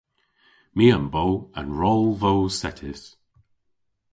My a'm bo an rol voos settys.